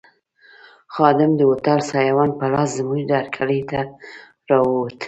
خادم د هوټل سایوان په لاس زموږ هرکلي ته راووت.